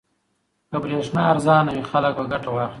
که برېښنا ارزانه وي خلک به ګټه واخلي.